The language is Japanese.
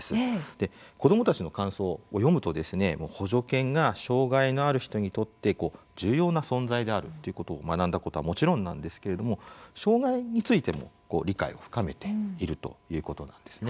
子どもたちの感想を読むと補助犬が障害のある人にとって重要な存在であるということを学んだことはもちろんなんですけれども障害についても理解を深めているということなんです。